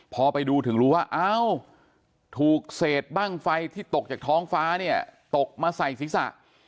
พอไปดูถึงรู้ว่าอ้าวถูกเศษบ้างไฟที่ตกจากท้องฟ้าเนี่ยตกมาใส่ศีรษะ